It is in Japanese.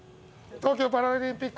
東京パラリンピック